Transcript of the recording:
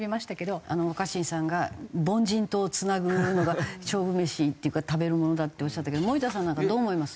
若新さんが凡人と繋ぐのが勝負メシっていうか食べるものだっておっしゃったけど森田さんなんかどう思います？